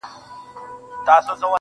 د خالق په انتظار کي يې ويده کړم,